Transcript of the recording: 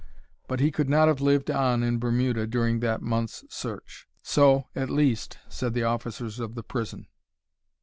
But he could not have lived on in Bermuda during that month's search. So, at least, said the officers of the prison.